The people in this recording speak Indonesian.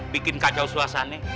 bikin kacau suasana